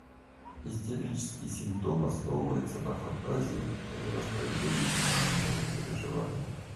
Истерический симптом основывается на фантазии и не воспроизводит действительного переживания.